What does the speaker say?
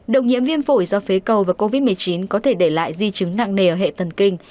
độc nhiễm viêm phổi do phế cầu và covid một mươi chín có thể để lại di chứng nặng nề ở hệ thần kinh